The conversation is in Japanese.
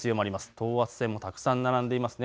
等圧線もたくさん並んでいますね。